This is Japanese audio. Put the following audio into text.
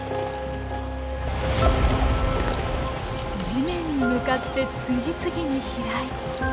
地面に向かって次々に飛来。